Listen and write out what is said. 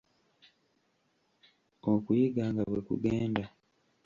Okuyiga nga bwe kugenda.